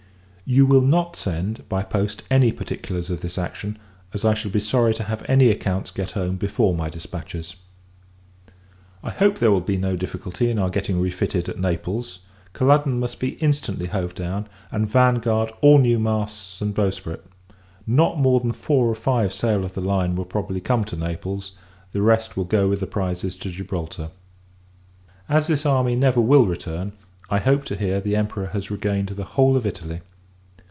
You will not send, by post, any particulars of this action, as I should be sorry to have any accounts get home before my dispatches. I hope there will be no difficulty in our getting refitted at Naples. Culloden must be instantly hove down, and Vanguard all new masts and bowsprit. Not more than four or five sail of the line will probably come to Naples; the rest will go with the prizes to Gibraltar. As this army never will return, I hope to hear the Emperor has regained the whole of Italy.